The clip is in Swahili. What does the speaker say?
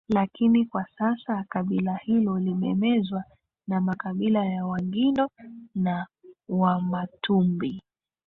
lakini kwa sasa kabila hilo limemezwa na makabila ya Wangindo na Wamatumbi